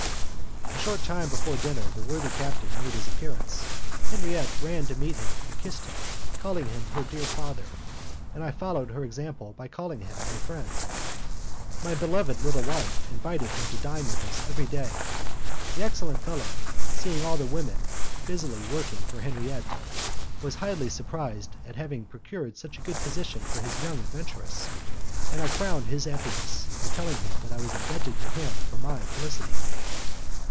A short time before dinner the worthy captain made his appearance. Henriette ran to meet him and kissed him, calling him her dear father, and I followed her example by calling him my friend. My beloved little wife invited him to dine with us every day. The excellent fellow, seeing all the women working busily for Henriette, was highly pleased at having procured such a good position for his young adventuress, and I crowned his happiness by telling him that I was indebted to him for my felicity.